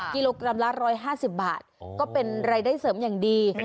กิโลกรัมละ๑๕๐บาทก็เป็นรายได้เสริมอย่างดี